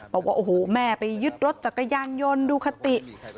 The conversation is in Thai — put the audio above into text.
บอกว่าโอ้โหแม่ไปยึดรถจักรยานยนต์ดูคติ